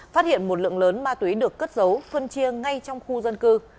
phát hiện một lượng lớn ma túy được cất giấu phân chia ngay trong khu dân cư